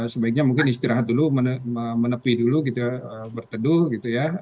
sebaiknya mungkin istirahat dulu menepi dulu berteduh gitu ya